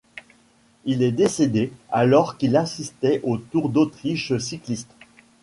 Il est décédé alors qu'il assistait au tour d'Autriche cycliste.